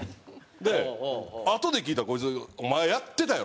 であとで聞いたらこいつ「お前やってたやろ？」